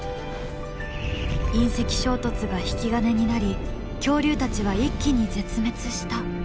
隕石衝突が引き金になり恐竜たちは一気に絶滅したと考えられてきた。